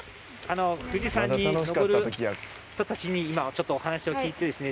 富士山に登る人たちに今ちょっとお話を聞いててですね